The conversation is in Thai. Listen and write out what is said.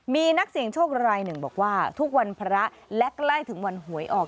มีนักเสี่ยงโชครายหนึ่งบอกว่าทุกวันพระและใกล้ถึงวันหวยออก